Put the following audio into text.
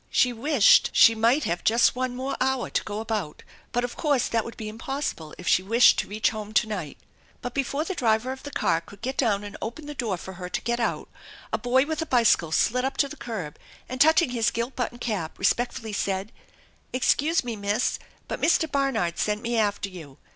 She wished she might have just one more hour to go about, but of course that would be impossible if she wished to reach home to night. But before the driver of the car could get down and open the door for her to get out a boy with a bicycle slid up to the curb and touching his gilt buttoned cap respectfully said :" Excuse me, Miss, but Mr. Barnard sent me after you.